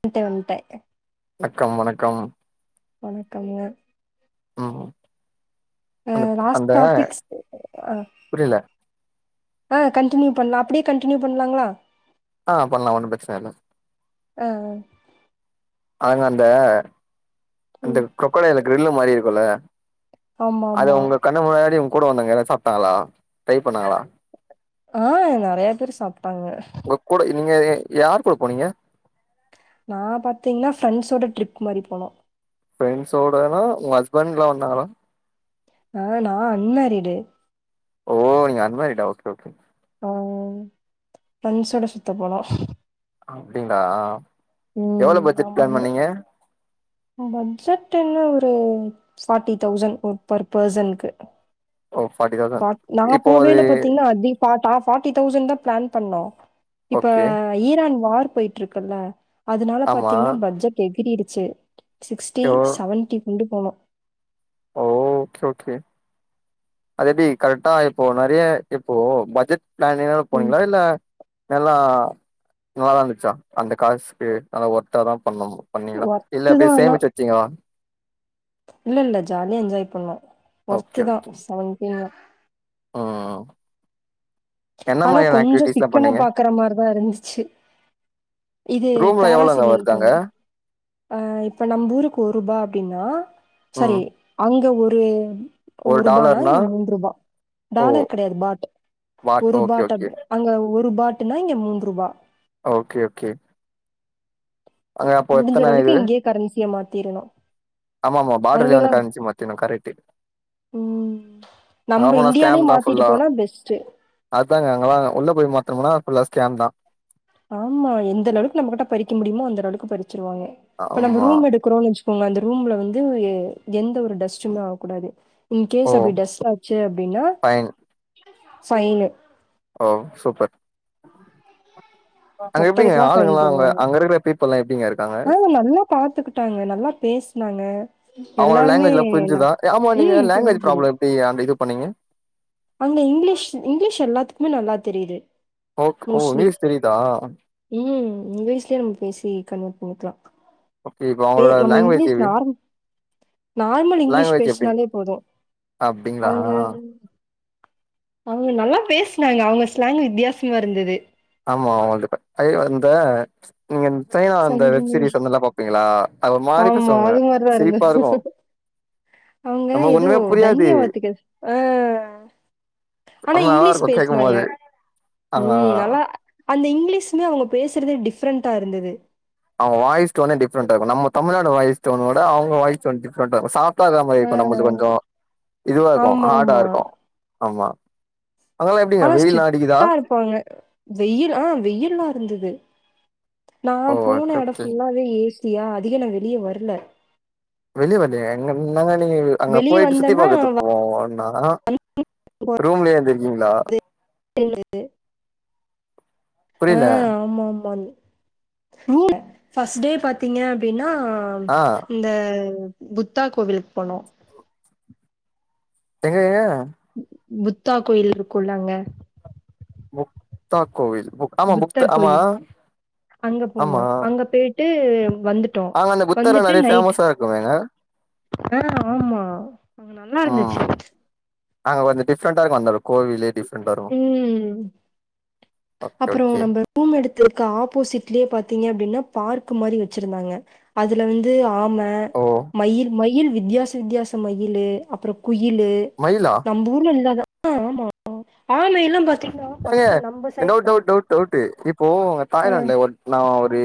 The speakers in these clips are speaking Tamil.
வண்ட வன்ட அக்கம் வணக்கம் வணக்கமுங்க ம் அந்த ம் அந்த லாஸ்ட்டா பிக்ஸ் புரியல ஆ கண்டினியூ பண்ணலா அப்டியே கண்டினியூ பண்ணலாங்ளா ஆ பண்ணலா ஒண்ணும் பிரச்சன இல்ல ஆ ஆ அவுங்க அந்த அந்த ம் க்ரோக்கடைல்ல கிரில்லு மாரி இருக்கும்ல்ல ஆமா அது ஆமா உங்க கண்ணு முன்னாடி உங்க கூட வந்தவங்க யாராவது சாப்ட்டாங்களா ட்ரை பண்ணாங்களா ஆ நறைய பேர் சாப்ட்டாங்க உங்க கூட நீங்க யார் கூட போனீங்க நா பாத்திங்கனா ஃப்ரெண்ட்ஸோட ட்ரிப் மாரி போனோ ஃப்ரெண்ட்ஸ்சோடனா உங்க ஹஸ்பெண்ட்லா வந்தாங்களா ஆ நா அன்மேரிடு ஓ நீங்க அன்மேரிடா ஓகே ஓகே ஓகே ஆ ஃப்ரெண்ஸோட சுத்த போனோ அப்டிங்ளா ம் ஆமாங்க பட்ஜெட் என்ன ஒரு ஃபாட்டி தௌசண் ஒரு பர் பர்சன்க்கு ஓ ஃபார்ட்டி தௌசண்ட் பாத் நா இப்போ அது போவேயில்ல பாத்திங்கலா அதி டா டா நு ஃபார்ட்டி தௌசண்ட் தா ப்ளான் பண்ணோ இப்ப ஓகே ஈரான் வார் போய்ட்டுருக்குல்ல அதனால ஆமா பாத்தீங்னா பட்ஜெட் எகிரிடுச்சு சிக்ஸ்ட்டி எவ்ளோ சவன்ட்டி கொண்டு போனோ ஓ ஓகே ஓகே அது எப்டி கரெக்ட்டா இப்போ நறைய இப்போ பட்ஜெட் ப்ளனிங்னால ம் போனீங்ளா இல்ல நல்லா நல்லா இருந்துச்சா அந்த காசுக்கு நல்ல ஒர்த்தா தா பண்ணம் பண்ணீங்ளா இல்ல ஒர்த்து அப்டியே தான் ஆனா சேமிச்சு வச்சீங்களா இல்ல இல்ல ஜாலியா என்ஜாய் பண்ணோ ஒர்த்துதா செவன் கேனா ஆ ஆனா கொஞ்சோ ஆக்டிவிட்டிஸ்லா சிக்கன பண்ணீங்க பாக்குற மாரிதா இருந்துச்சு இது ரூம்ல எவ்ளோங்க பேராசிலிங் வருது அங்க பண்ணுவோ அ இப்ப நம்பூருக் ஒரூபா அப்டின்னா சாரி ம் அங்க ஒரு ஒரு ரூபானா இங்க மூன்று ரூபாய் ஓ டாலர் கிடயாது பாட் வாட் ஒரு ஓகே பாட் அப் ஓகே அங்க ஒரு பாட்டுனா இங்க மூன்ரூபா ஓகே ஓகே அங்க அப்போ முடிஞ்ச எத்தன அளவுக்கு இது இங்கயே கரன்சிய மாத்திரணு ஆமா ஆமா பார்டர்ல வந்து கரன்சி மாத்திரனு கரெக்ட்டு ம் அங்க நம்ம போனா இந்தியாலே ஸ்கேம்தா மாத்திட்டு ஃபுல்லா போனா பெஸ்ட்டு அதாங்க அங்கலா உள்ள போய் மாத்துனமுனா ஃபுல்லா ஸ்கேம் தா ஆமா எந்த அளவுக்கு நம்ம கிட்ட பறிக்க முடிமோ அந்தரளவுக்கு பறிச்சிருவாங்க இப்ப நம்ம ஆமா ரூம் எடு குரோன் வச்சுக்கோங்க அந்த ரூம்ல வந்து எந்த ஒரு டஸ்ட்டுமே ஆவ்கூடாது ஓ இன்கேஸ் அப்டி டஸ்ட் ஆச்சு அப்டின்னா ஃபைன் ஃபைனு ஓ சூப்பர் அங்க எப்டிங்க தொட்டதுக்கெல்லா ஃபைன் ஆளுங்கலா அங்க போடுவாங்க அங்க இருக்குற பீப் புலா எப்டிங்க இரு ஆ நல்லா பாத்துக்கிட்டாங்க நல்லா பேஸ்னாங்க அவுங்க லங்குவேஜுலா புரிஞ்சதா ஏ ஆமா நீங்க ம் லாங்வேஜ் புரிஞ்சுது ப்ராப்ளோ எப்டி அந்த இதுபண்ணீங்க அங்க இங்க்லீஷ் இங்க்லீஷ் எல்லாத்துக்குமே நல்லா தெரிது ஓக் ஓ இங்லீஸ் தெரிதா ம் இங்கிலீஷ்லே நம்ம பேசி கன்வெர் பண்ணிக்லா ஓகே இப்ப பே அவங்களோட நம்ம language English norm normal English language எப்டி? பேஸ்னாலே போது அப்டிங்களா? அவ்ங்க அவ்ங்க நல்லா பேஸ்னாங்க அவுங்க ஸ்லாங்கு வித்யாசமா இருந்தது ஆமா அவ்ங்க வந்து இப்ப ஐயோ இந்த நீங்க சைனா அந்த வெப் சங்கிலி சீரிஸ் அது நல்லா பாப்பீங்களா அது ஒரு மாரி ஆமா பேசுவாங்க. அது மாரிதா இருந்த சிரிப்பா இருக்கு. அவ்ங்க நமக்கு எதோ ஒண்ணுமே புரியாது. தன்யவாத்துக்கள் ஆ ஆனா நல்லா இங்லீஷ் இருக்கு பேஸ்னாங்க கேக்கும்போது. ஆ ம் நல்லா அந்த இங்லீசுமே அவுங்க பேசுறதே டிஃப்ரெண்ட்டா இருந்தது அவுங்க வாய்ஸ் டோனே டிஃப்ரெண்ட்டா இர்க்கு நம்ம தமிழ்நாடு வாய்ஸ் டோனோட அவ்ங்க வாய்ஸ் டோன் டிஃப்ரெண்ட்டா இருகு சாப் ட்டா இருக்ற மாரி ஆ இருக்கு நம்மள்து கொஞ்சோ இதுவா இருக்கு ஆமா ஹார்டா ஆமா இருக்கு ஆமா அங்கலா எப்டிங்க வெயில்லா அடிக்குதா போங்க வெயில் ஆ வெயில்லா இருந்தது நா ஓ போன ஓகே எடோ ஓகே. ஃபுல்லாவே ஏஸ் சியா அதிக நா வெளிய வர்ல வெளிய வர்ல்லையா என்னங்க நீங்க நீ அங்க வெளிய போய்ட்டு சுத்தி வந்தேன்னா பாக்கத்துக் போனா ரூம்லே இர்ந்திருக்கீங்ளா இர்ந்துட்டு ஆ புரியல ஆமாமாமான் ரூல ஃபஸ்டே பாத்தீங்க அப்டினா ஆ இந்த புத்தா கோவிலுக் போனோ எங்கேங்க புத்தா கோயில் இருக்குல்ல அங்க முத்தா கோவில் மு புத்தர் கோயில் அங்க போனோ ஆமா அங்க பேய்ட்டு வந்துட் அங்க அந்த புத்தர நெறைய ஃபேமஸா இருக்குமேங்க ஆ ஆமா அங்க நல்லா இருந்துச்சு ம் அங்க கொஞ்சோ டிஃப்ரண்ட்டா இருக்கு அந்த கோவிலே டிஃப் ம் ஓகே அப்புறோ ஓகே நம்ப ரூம் எடுத்துருக்க ஆப்போசிட்லே பாத்தீங்க அப்டினா பார்க் மாரி வச்சிருந்தாங்க அதுல வந்து ஆம் ம ஓ மயில் மயில் வித்தியாச வித்தியாச மயிலு அப்புறோ குயிலு மயிலா நம்பூர்ல இல்லாத [inaudible] ஆ ஆமா ஆமைலா பாத்தீங் என்னங்க இன்னொரு டவ்ட் டவ்ட் டவ்ட்டு இப்போ அங்க ஆ தாய்லாந்துல நா ஒரு ஒரு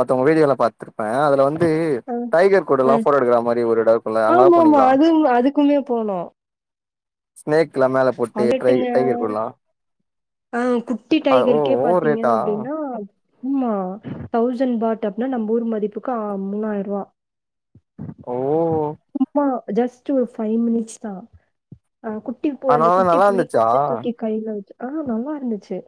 மத்தங்க வீடியோல பாத் திருப்பே அதுல வந்து ஆ டைகர் கூடல்லா ம் ஃபோட்டோ எடுக்கற மாரி ஒரு எடோ இருக்குல்ல அங்கெல்லா போனீங்லா க்குமே போனோ ஸ்னேக்ல்லா மேல போட்டு ட்ரை அதட்டுங்க டைகர் கூட்லா ஆ குட்டி டைகருக்கே பாத்தீங்க ரேட்டா அப்டின்னா ம்மா தௌசண்ட் பாட் அப்பனா நம்ம ஊர் மதிப்புக்கு ஆ மூணாய் ரூவா ஓ சும்மா ஜஸ்ட் ஒரு ஃபைவ் மினிட்ஸ்தா அ குட்டி பு அந்த அதனால குட்டி நல்லா புலி இருந்துச்சா வந்து தூக்கிட் கைல வச்சு ஆ நல்லா இருந்துச்சு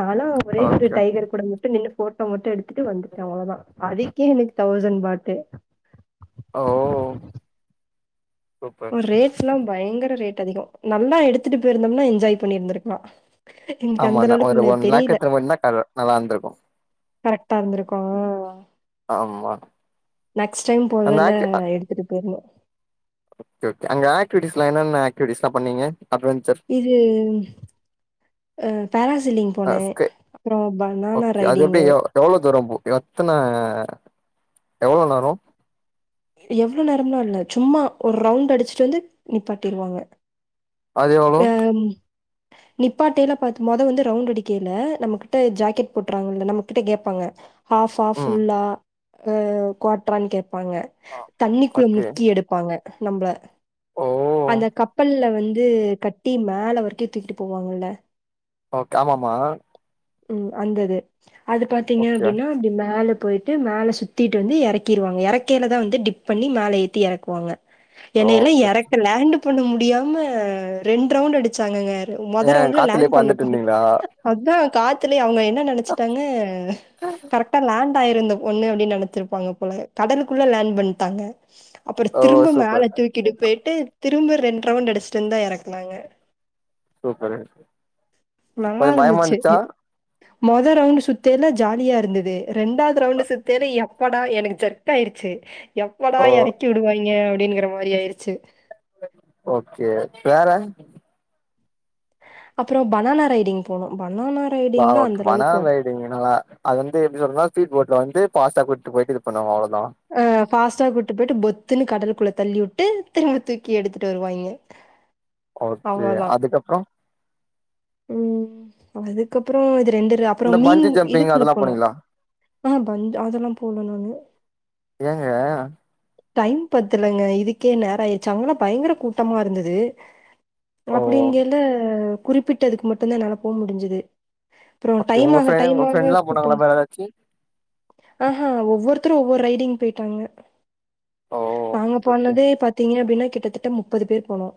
நாலா ஒரே ஒரு ஓகே ஓகே டைகர் கூட மட்டு நின்னு போட்டோ மட்டு எடுத் துட்டு வந்துட்ட அவ்ளோதா அதுக்கே எங்களுக் தௌசண் பாட்டு ஓ சூப்பர் ரேட்ல்லா பயங்கர ரேட் அதிகோ நல்லா எடுத்துட்டு போயிருந்தோம்னா என்ஜாய் பண்ணிருந்துருக்கலா ஆமான ஒரு ஒன் லேக் எடுத்துனு போய்ருந்தா நல்லா இந்திருக்கு கரெக்டா இருந்திருக்கூ ஆமா நெக்ஸ்ட் டைம் அந்த போகேல ஆக்டி அ எடுத்துட்டு போஹணு ஓகே ஓகே அங்க ஆக்டிவிட்டீஸ்லா என்னென்ன ஆக்டிவிட்டீஸ்லா பண்ணீங்க அட்வஞ்சர் இது அ பாராசிலிங் அ போனே ஸ்கே அப்பறோ பனானா ஓகே அது எப்டி ரைடிங்கு எவ் எவ்ளோ தூரோ போ எத்தன எவ்ளோ நேரோ எவ்ளோ நேரம்லா இல்ல சும்மா ஒரு ரவுண்ட் அடுச்சுட்டு வந்து நிப்பாட்டிருவாங்க அது எவ்ளோ ஆ நிப்பாட்டேல பாத் மொத வந்து ரவுண்ட் அடிக்கைல நம்மக்கிட்ட ஜாக்கெட் போட்றாங்கல்ல நம்ம கிட்ட கேப்பாங்க ஹாஃபா ம் ஃபுல்லா அ குவாட்ரான் கேப்பாங்க ஆ தண்ணிக்குள்ள ஓகே முக்கி எடுப்பாங்க நம்பள ஓ அந்த கப்பல்ல வந்து கட்டி மேல வரைக்கு தூக்கிட்டு போவாங்கல்ல ஓக் ஆமாமா ம் அந்தது அது பாத்தீங்க ஓகே அப்டின்னா அப்டி மேல போய்ட் டு மேல சுத்தீட்டு வந்து எறக்கீருவாங்க எறக்கேலதா வந்து டிப் பண்ணி மேல ஏத்தி எறக்குவாங்க என்னையல்லா ஓகே எறக்க லேண்டு பண்ண முடியாம ரெண் ரவுண்டு அடிச்சாங்கங்க மொத ஏ ரவுண்ட்ல காத்துலயே லேண்ட் பறந்துட்டு பண்ணப்பவுன்ட் இருந்தீங்களா அதா காத்துலயே அவங்க என்ன நினைச்சிட்டாங்க கரெக் ட்டா லேண்ட் ஆயிரு இந்த பொண்ணு அப்டின்னு நெனைச்சிருப்பாங்க போல கடலுக்குள்ள லேண்ட் பண்ணிட்டாங்க அப்பற ஓ திரும்ப சூப்பர் மேல தூக்கிட்டு போயிட்டு திரும்ப ரெண் ரவுண்ட் அடிச்சிட்டு வந்தா எறக்குனாங்க சூப்பரு கொஞ்ச பயமா நல்லாருந்துச்சு இருந்துச்சா மொத ரவுண்ட்டு சுத்தேல்ல ஜாலியா இருந்தது ரெண்டாவது ரவுண்டு சுத்தேல எப்படா எனக்கு ஜர்க் ஆயிடுச்சு எப்படா ஓ எறக்கி விடுவாய்ங்க அப்டிங்கிற மாரி ஆயிடுச்சு ஓகே வேற அப்பறொ பனானா ரைடிங் போனோ பனானா ரைடிங்லா அந்த லெவலுக்கு வொர் என்னனா அது வந்து எப்டி சொல்றதுன்னா ஸ்பீட் போட்ல வந்து பாஸ்டா கூப்ட்டு போய்ட்டு இது பண்ணுவோ அவ்ளதா அ ஃபாஸ்டா கூட்டு போயிட்டு பொத்துன்னு கடலக்குள்ள தள்ளி உட்டு திரும்ப தூக்கி எடுத்துட்டு வருவாய்ங்க ஓகே அவ்வளோதான். அதுக்கப்றொ ம் அதுக்கப்பறோ இது ரெண்டு ராப் இந்த அப்றம் மீன் பஞ்சு ஜம்பிங் இதுக்குள்ள அதெல்லா போனோ போனீங்களா ஆ பந்து அதெல்லா போல நானு ஏங்க டைம் பத்தலேங்க இதுக்கே நேராயிரச்சு அங்கலா பயங்கர கூட்டமா இருந்துது. ஓ அப்பிடீங்கல்ல குறிப்பிட்டதுக்கு மட்டுந்தா என்னால போ முடிஞ்சது அப்றோ ஓகே டைம் உங்க ஆக ஃப்ரெண்ட் டைம் உங்க ஆக ஃப்ரெண்ட்லா கூட்டோ போனாங்களா வேற ஏதாச்சு ஆஹா ஒவ்வொருத்தரு ஒவ்வொர் ரைடிங் போய்ட்டாங்க ஓ நாங்க ஓகே போனதே பாத்தீங்க அப்டின்னா கிட்டத்தட்ட முப்பது பேர் போனோ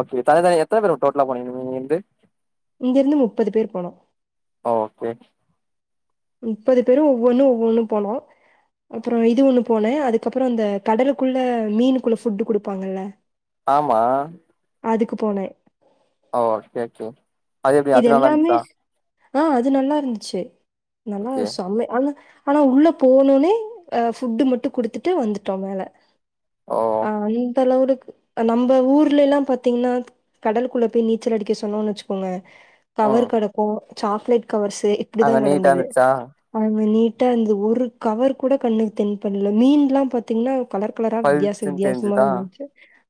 ஓக்கே தன தனி எத்தன பேரு டோட்டலா போனீங்க இங்கிருந்து இங்கிருந்து முப்பது பேர் போனோ ஓக்கே முப்பது பேரு ஒவ்வொன்னு ஒவ்வொன்னும் போனோ அப்றோ இது ஒன்னு போனே அதுக்கப்பறோ இந்த கடலுக்குள்ள மீனுக்குள்ள ஃபுட்டு குடுப்பாங்கள்ள ஆமா அதுக்கு போனே ஓ சேர் சேர் இது எல்லாமே ஆ அது நல்லாருந்துச்சு நல்லா ஓகே செமை ஆனா ஆனா உள்ள போனவுன்னே அ ஃபுட்டு மட்டு குடுத்துட்டு வந்துட்டோ மேல ஓ ஓ ஆ இந்த லவுலுக்கு நம்ம ஊர்லலா பாத்தீங்ன்னா கடலுக்குள்ள போய் நீச்சல் அடிக்க சொன்னோன் வச்சுக்கோங்க ம் பவர் கெடக்கு சாக்லேட் கவர்ஸ்ஸு இப்படிதா அங்க நீட்டா கெடந்தது இருந்துச்சா அதே மார் நீட்டா இந்தது ஒரு கவர் கூட கண்ணுக்கு தென் பண்ல மீன்லா பாத் தீங்னா கலர் கலரா வித்தியாச பளிச்சுன்னு வித்தியாசமா தெரிஞ்சுதா இருந்துச்சு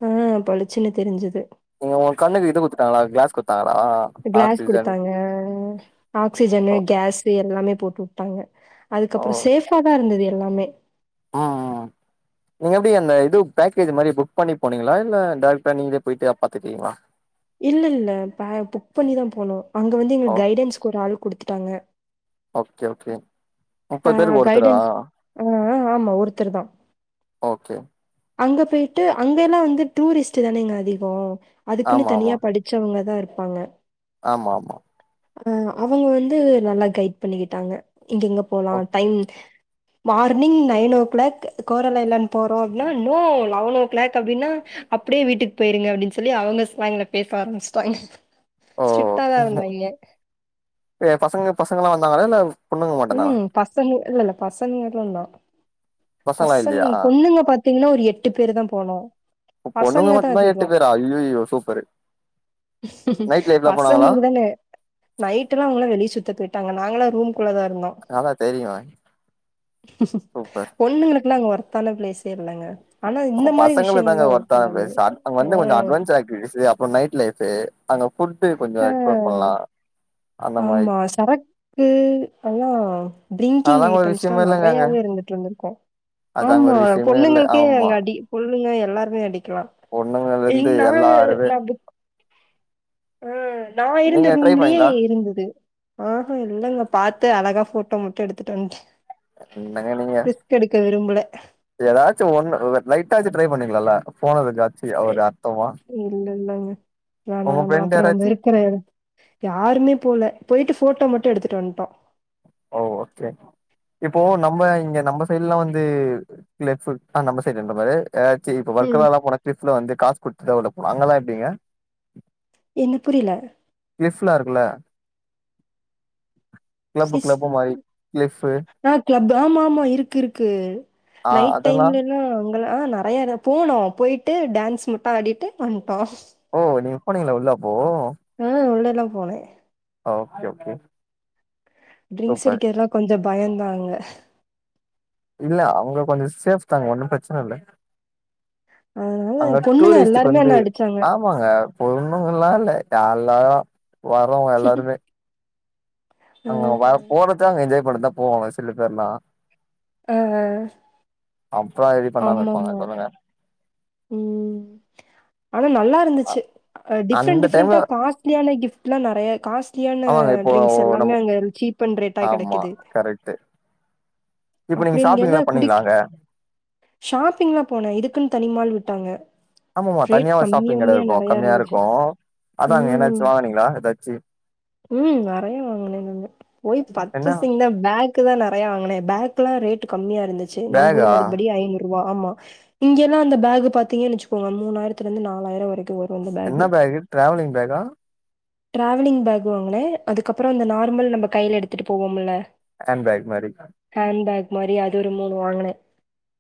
ஆ பளுச்சின்னு தெரிஞ்சுது நீங்க உ கண்ணுக்கு இது குட்த்துட்டாங்களா க்ளாஸ் குட் க்ளாஸ் குடுத்தாங்க ஓ ஆக்சிஜனு கேஸ் இது எல்லாமே போட்டு உட்டாங்க ஓ அதுக்கப்பறோ சேஃபா தா இருந்தது எல்லாமே அ அ அ நீங்க எப்டி அந்த இது பேக்கேஜ் மாரி புக் பண்ணி போனீங்ளா இல்ல டேரட்டா நீங்களே போயிட்டு அப் பாத்துட்டீங்ளா இல்லல்ல ப புக் பண்ணிதா போனோ அங்க வந்து ஓ எங்களுக்கு கைடன்ஸ்க்கு ஒரு ஆள் குடுத்துட்டாங்க ஓகே ஓகே ஆ முப்பது பேருக்கு ஒருத்தரா கைடன்ஸ் அ ஆ ஆமா ஒருத்தர் தா ஓக்கே அங்க போய்ட்டு அங்க எல்லா வந்து டூரிஸ்ட் தானேங்க அதிகோ அதுக்குனு ஆமா தனியா படி ச்சவங்க தா இருப்பாங்க ஆமாமா அ அவுங்க வந்து நல்லா கைட் பண்ணிக்கிட்டாங்க இங்க இங்க போலா ஓ time morning nine o'clock கோரலைலான் போறோ அப்னா நோ லெவன் ஓ கிளாக் அப்டின்னா அப்டியே வீட்டுக்கு போயிருங்க அப்டின் சொல்லி அவுங்க ஸ்லாங்ல பேச ஆரம்பிச்சிட்டாங்க ஓ ஸ்ட்ரிட்டாதா இருந்தாய்ங்க இது பசங்க பசங்கலா வந்தாங்களா இல்ல பொண்ணுங்க மட்டுந்தானா ம் பசங்க இல்லல்ல பசங்க [unintelligible] பசங்களா பசங்க இல்லையா பொண்ணுங்க பாத்தீங்கன்னா ஒரு எட்டு பேரு தா போனோ பொண்ணுக மட்டுமே எட்டு பேரா ஐயயோ சூப்பரு நைட் லைஃப்லா போனாங்களா பசங்களுக்கு தாங்க நைட்ல்லா அவுங்களா வெளிய சுத்த போயிட்டாங்க நாங்களா ரூம்குள்ள தா இருந்தோ அதா தெரியு சூப்பர் பொண்ணுங்களுக்குல்லா அங்க ஒர்த்தான பிளேஸே இல்லங்க ஆனா நம்ம இந்த மாரி பசங்களுக்கு தாங்க விஷயங்கள்ல்லா ஒர்த்தான ஒர்த்தானது பிளேஸ் அங்க அ வந்து கொஞ்சோ [unintelligible] அப்புறோ நைட் லைஃப் அங்க ஃபுட்டு் கொஞ்சோ ஆ எக்ஸ்ப்ளோர் பண்லா அந்த மாரி ஆமா சரக்கு அதா ட்ரிங்கிங் அதெல்லா ஒரு ஐட்டம்ஸ்ல்லா விஷயமே இல்லங்க அங்க நெறையாவே இருந்தது ருந்திருக்கோ [inaudible] ஆமா விஷயமே இல்ல பொண்ணுங்களுக்கே ஆமா அங்க அடி பொண்ணுங்க எல்லாருமே அடிக்கலா பொண்ணுங்கல இருந்து என்னவு எல்லாருமே நாப்பு ஆ நா இருந்த நீங்க ட்ரை ரூம்லயே பண்ணீங்களா இருந்தது ஆ ஹ இல்லங்க பாத்து அழகா போட்டோ மட்டும் எடுத்துட்டு வந்ட்டேன் என்னங்க நீங்க கெடுக்க விரும்பல ஏதாச்சும் ஒண்ணு லைட்டாச்சு ட்ரை பண்ணிக்களால இல்ல ஃபோன் இருக்காச்சு அ ஒரு அர்த்தமா இல்ல இல்லங்க வோணா உங்க வேணா ஃப்ரெண்ட் அப்புறோ நம்ம யாராச்சு இருக்கிற இடத்து யாருமே போல போயிட்டு ஃபோட்டோ மட்டு எடுத்துட்டு வந்ட்டோ ஓ ஓகே இப்போ நம்ம இங்க நம்ப சைடுல்லா வந்து லெட் ஃபுல் அ நம்ம சைடுன்ற பாறு எதாச்சி இப்ப ம். வொர்க்கலால்லா போன கிஃப்ல வந்து காச கொடுத்துதா உள்ள ஃபோனு வாங்கல்லா எப்டிங்க என்ன புரியல கிஃப்லா இருக்குல சிஸ் ஆ கிளப் ஆமா ஆமா இருக்கு இருக்கு ஆ நைட் அதெல்லா டைம்லல்லா ஆ நெறய எடோ போனோ போயிட்டு டான்ஸ் மட்டு ஆடிட்டு வந்டோ ஓ நீங்க போனீங்களா உள்ள அப்போ உம் உள்ளல்லா போனே ஓகே ஓகே ட்ரிங்க்ஸ் சூப்பர் அடிக்கிறதுல்லா கொஞ்சோ பயந்தாங்க இல்ல அங்க கொஞ்சோ சேஃப் தாங்க ஒன்னும் பிரச்சன இல்ல அதனால அங்க பொண்ணுங்க டூரிஸ்ட்டுக்கு எல்லாருமே வந்து என்ன அடிச்சாங்க ஆ பொண்ணுங்கல்லா இல்ல எல்லாரு வர்றவங்க எல்லாருமே ஆ அங்க வ போறதே அங்க இதே படத்த போவாங்க சில பேர்லா அ அ அப்றோ ரெடி பண்ணாம இருப்பாங்க சொல்லுங்க உம் ஆனா நல்லா அ இருந்துச்சு அ டிஃப்ரெண்ட் அந்த டைம்ல டிஃரெண்டா காஸ்ட்லியான கிஃப்ட்ல்லா நெறைய காஸ்ட்லியான ஆமாங்க இப்போ ட்ரிங்க்ஸ் எல்லாமே நம்ம அங்க சீப் பன் ரேட்டா ஆமா கெடைக்குது கரெக்ட்டு இப்ப அப்டி நீங்க இங்க என்ன ஷாப்பிங்லா பண்ணீங்களா குடிக் அங்க ஷாப்பிங்லா போன இதுக்குன்னு தனிமால் விட்டாங்க ஆமா ஆமா ரேட் தனியா ஒரு கம்மி ஷாப்பிங் எடோ கம்மியா இருக்கு நெறையா கம்மியா இருந்துச்சு இருக்கு அதா அங்க ம் என்னாச்சு வாங்கனீங்களா எதாச்சு ம் நெறைய வாங்கினே நானு போய் என்ன பர்சேசிங்க தா பேக்கு தா நெறைய வாங்குனே பேக் அதுகல்லா ரேட் கம்மியா இருந்துச்சு நம்ம ஊர் பேகா மதிப்படி ஐநூறு ரூபா ஆமா இங்கெல்லா அந்த பேகு பாத்தீங்கன்னுச்சுக்கோங்க மூணாயிரத்துல இருந்து நாலாயிர வரைக்கு வரு அந்த பேகு என்ன பேக்கு டிரவலிங் பேகா ட்ராவலிங் பேக் வாங்கினே அதுக்கப்பரோ அந்த நார்மல் நம்ம கையில எடுத்துட்டு போவோம் ல ஹான்ட்பேக் மாறி ஹண்ட பேக் மாறி அது ஒரு மூணு வாங்கனேன்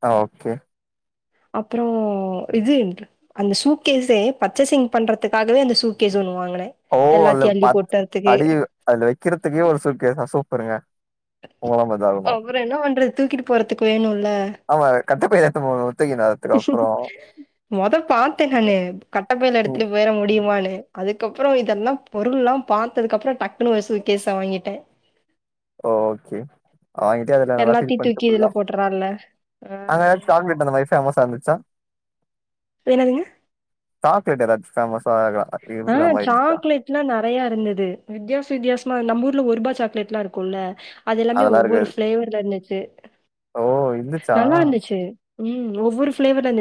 அ ஓகே அப்புறம் இது அந்த சூக்கேஸ்சே பர்ச்சஷிங் பண்றதுக்காகவே அந்த சூக்கேஸ் ஒண்ணுவாங்கனேன் ஓ அல பாத் அடி அதுல வெக்கறதுக்கே ஒரு சூட்கேஸ சூப்பருங்க உங்கள மாறி தான் இருக்கணும் அப்றோ என்ன பண்றது தூக்கிட்டு போறதுக்கு வேணுல்ல ஆமா கட்ட பை தூக்கினு வர்றத்துக்கு அப்பறோ மொத பாத்த நானு கட்டப்பயில ம் எடுத்துட்டு போயிர முடியுமான்னு அதுக்கப்பறோம் இதெல்லா பொருள்லா பாத்ததுக்கப்பறோ டக்குனு ஒரு சூட்கேஸ்ஸா வாங்கிட்டேன் ஓ ஓகே அவன் கிட்டயே அதெல்லாம் நல்லா ஃபீல் எல்லாத்தையும் பண்ணிட்டேன் தூக்கி ஃபுல்லா இதுல போட்டுறான்ல. ஆ அங்கே ஏதாச்சு சாக்லேட் அந்த மாதிரி ஃபேமஸா இருந்துச்சா என்னாதுங்க சாக்லேட் எதாச்சு ஃபேமஸ்ஸா இருக்கா ம் சாக்லேட் ட்லா நெறைய இருந்துது வித்தியாச வித்தியாசமா நம்ம ஊர்ல ஒரு ரூபா சாக்லேட்ல்லா இருக்குல்ல அது எல்லாமே அதெல்லா ஒவ்வொரு இருக்காது ஃபிளேவர்ல இருந்துச்சு ஓ இருந்துச்சா நல்லா இருந்துச்சு ம் ஒவ்வொரு ஃபிளேவர்ல இரு